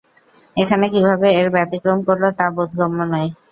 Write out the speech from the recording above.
এখানে কিভাবে এর ব্যতিক্রম করল তা বোধগম্য নয়।